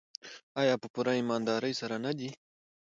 آیا په پوره ایمانداري سره نه دی؟